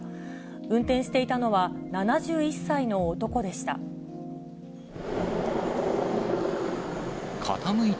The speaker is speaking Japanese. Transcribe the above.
運転していたのは、７１歳の男でした。